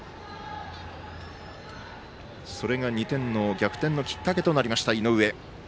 それが逆転のきっかけとなりました。